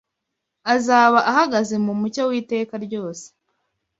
azaba ahagaze mu mucyo w’iteka ryose